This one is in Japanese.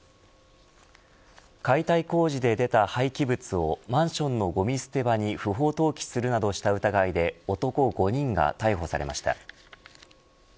解体工事で出た廃棄物をマンションのごみ捨て場に不法投棄するなどした疑いで男５人が逮捕されました。